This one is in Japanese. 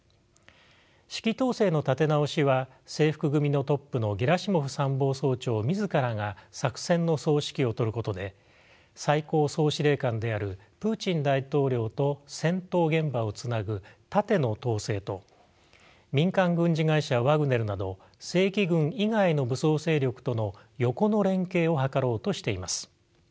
指揮統制の立て直しは制服組のトップのゲラシモフ参謀総長自らが作戦の総指揮を執ることで最高総司令官であるプーチン大統領と戦闘現場をつなぐ縦の統制と民間軍事会社ワグネルなど正規軍以外の武装勢力との横の連携を図ろうとしています。